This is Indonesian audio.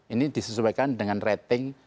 ini disesuaikan dengan rating